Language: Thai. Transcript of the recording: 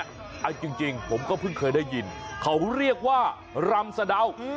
เอาจริงผมก็เพิ่งเคยได้ยินเขาเรียกว่ารำสะดาว